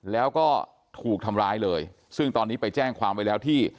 แล้วก็ถูกทำร้ายเลยซึ่งตอนนี้ไปแจ้งความไว้แล้วที่